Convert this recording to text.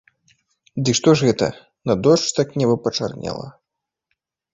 Ды што ж гэта, на дождж так неба пачарнела?